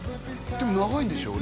でも長いんでしょ？